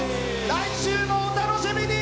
来週もお楽しみに！